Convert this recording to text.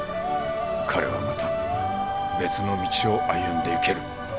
彼はまた別の道を歩んでいける。